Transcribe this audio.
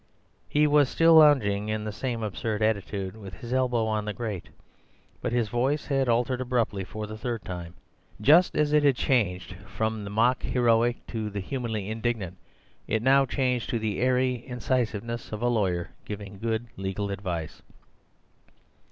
He was still lounging in the same absurd attitude, with his elbow on the grate, but his voice had altered abruptly for the third time; just as it had changed from the mock heroic to the humanly indignant, it now changed to the airy incisiveness of a lawyer giving good legal advice.